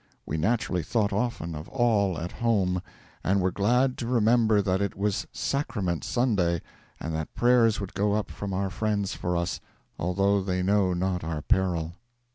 'We naturally thought often of all at home, and were glad to remember that it was Sacrament Sunday, and that prayers would go up from our friends for us, although they know not our peril.'